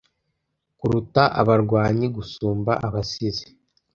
kuruta abarwanyi gusumba abasizi